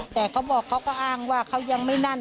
แต่เขาบอกเขาก็อ้างว่าเขายังไม่นั่น